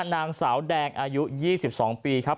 นางสาวแดงอายุ๒๒ปีครับ